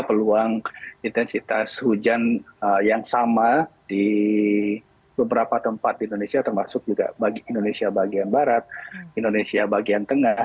peluang intensitas hujan yang sama di beberapa tempat di indonesia termasuk juga bagi indonesia bagian barat indonesia bagian tengah